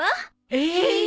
えっ！？